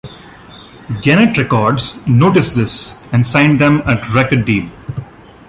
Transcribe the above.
Genet Records noticed this and signed them a record deal.